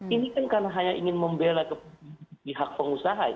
ini kan karena hanya ingin membelai pihak pengusaha